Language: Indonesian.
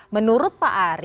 menurut pak ari